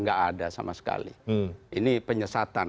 nggak ada sama sekali ini penyesatan